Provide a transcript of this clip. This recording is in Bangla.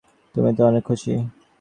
তুমি তো অনেক খুশি।